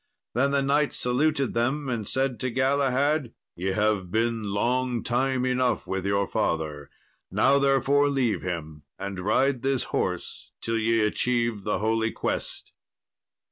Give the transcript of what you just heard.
Then the knight saluted them, and said to Galahad, "Ye have been long time enough with your father; now, therefore, leave him and ride this horse till ye achieve the Holy Quest."